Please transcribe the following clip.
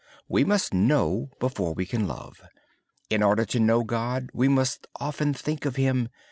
We must know before we can love. In order to know God, we must often think of Him.